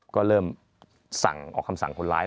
ก็เริ่มสั่งออกคำสั่งคนร้าย